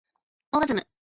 オーガズム